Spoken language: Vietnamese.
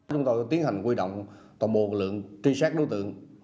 chúng tôi tiến hành quy động tổng bộ lượng truy xét đối tượng